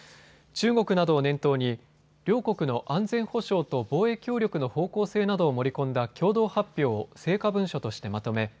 中国などを念頭に両国の安全保障と防衛協力の方向性などを盛り込んだ共同発表を成果文書としてまとめ